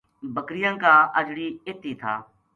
بکریاں کا اجڑی ات ہی تھا